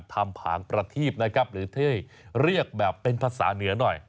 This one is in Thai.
ทำผางประทีพหรือที่จะเรียกแบบเป็นภาษาเหนือหน่อย